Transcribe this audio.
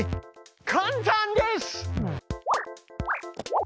簡単です！